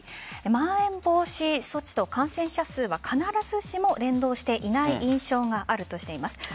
まん延防止措置と感染者数は必ずしも連動していない印象があるとしています。